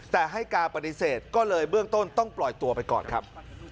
แต่ให้การปฏิเสธก็เลยเบื้องต้นต้องปล่อยตัวไปก่อนครับ